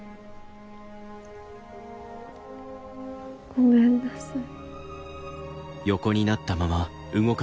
ごめんなさい。